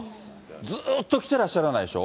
ずーっと来てらっしゃらないでしょ。